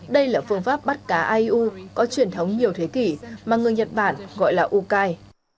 đây là phương pháp bắt cá ai u có truyền thống nhiều thế kỷ mà người nhật bản gọi là u kai